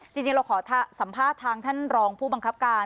จริงเราขอสัมภาษณ์ทางท่านรองผู้บังคับการ